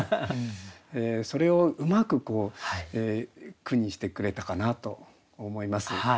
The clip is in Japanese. それをうまく句にしてくれたかなと思います。